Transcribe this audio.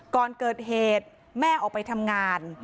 ก่อนเกิดเหตุแม่ออกไปทำงาน